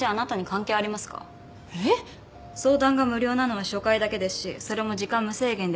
相談が無料なのは初回だけですしそれも時間無制限ではありません。